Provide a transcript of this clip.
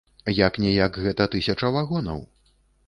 Як-ніяк, гэта тысяча вагонаў.